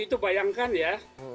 itu bayangkan ya